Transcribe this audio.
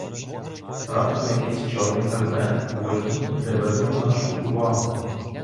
Раптом якийсь чорний предмет у воді привернув нашу увагу.